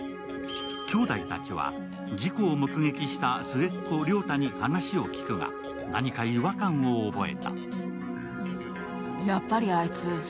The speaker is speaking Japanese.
兄弟たちは、事故を目撃した末っ子、良太に話を聞くが、何か違和感を覚えた。